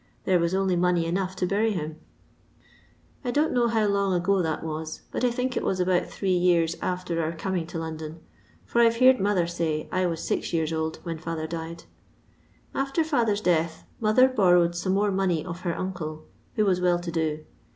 There was only money enough to bury him. I dcm't know how long ago that vras, but I think it was about three years after our coming to London, for I 've heerd mother say I was six years old when fiither died. After father's death mother borrowed some more money of her uncle, who was well to do.